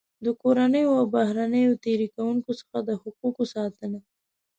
د کورنیو او بهرنیو تېري کوونکو څخه د حقوقو ساتنه.